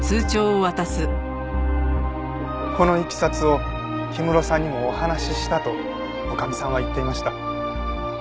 このいきさつを氷室さんにもお話ししたと女将さんは言っていました。